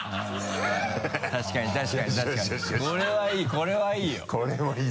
これはいい！